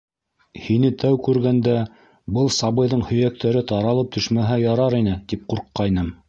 - Һине тәү күргәндә, был сабыйҙың һөйәктәре таралып төшмәһә ярар ине, тип ҡурҡҡайным.